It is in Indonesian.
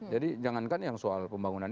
jadi jangankan yang soal pembangunan